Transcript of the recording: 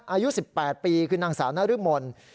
อายุ๑๘ปีคือนางสาวนรมน